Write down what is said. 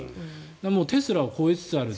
テスラを超えつつある。